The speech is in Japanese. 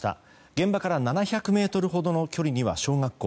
現場から７００ｍほどの距離には小学校。